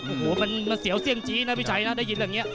โอ้โหมันเสียวเสี่ยงจี้นะพี่ชัยนะได้ยินอย่างนี้